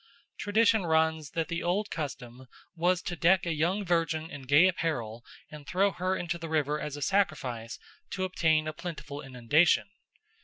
Tradition runs that the old custom was to deck a young virgin in gay apparel and throw her into the river as a sacrifice to obtain a plentiful inundation.